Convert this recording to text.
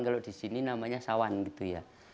kalau di sini namanya sawan gitu ya